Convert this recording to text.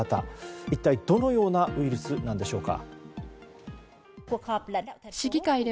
一体どのようなウイルスなんでしょうか。